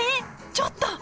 ちょっと！